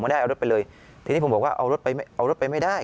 ได้เอารถไปเลยทีนี้ผมบอกว่าเอารถไปเอารถไปไม่ได้